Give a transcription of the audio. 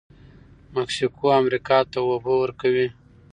مکسیکو امریکا ته اوبه ورکوي.